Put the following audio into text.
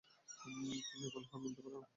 তুমি এখনি হার মানতে পারো না।